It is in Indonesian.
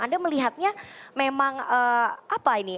anda melihatnya memang apa ini